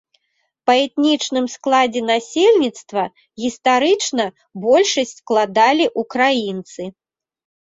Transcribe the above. Па этнічным складзе насельніцтва гістарычна большасць складалі ўкраінцы.